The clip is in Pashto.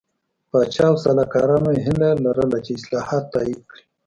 پاچا او سلاکارانو یې هیله لرله چې اصلاحات تایید کړي.